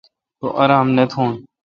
تو آرام نہ تھون۔